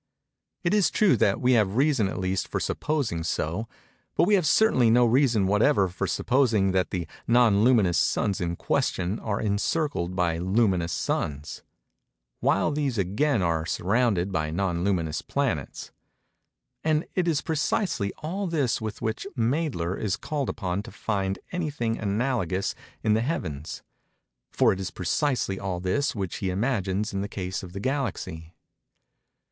It is true that we have reason at least for supposing so; but we have certainly no reason whatever for supposing that the non luminous suns in question are encircled by luminous suns, while these again are surrounded by non luminous planets:—and it is precisely all this with which Mädler is called upon to find any thing analogous in the heavens—for it is precisely all this which he imagines in the case of the Galaxy.